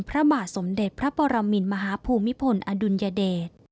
พระบาทสมเด็จพระปรมินมหาภูมิพลอดุลยเดช